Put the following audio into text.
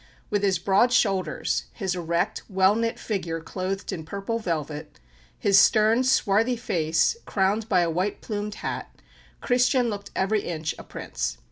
With his broad shoulders, his erect, well knit figure clothed in purple velvet, his stern, swarthy face crowned by a white plumed hat, Christian looked every inch a Prince.